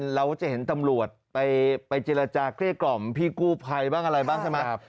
เราจะเห็นตำรวจไปเจรจาเกลี้ยกล่อมพี่กู้ภัยบ้างอะไรบ้างใช่ไหม